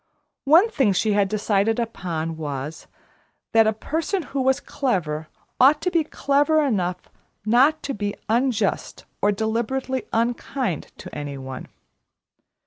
One thing she had decided upon was, that a person who was clever ought to be clever enough not to be unjust or deliberately unkind to any one.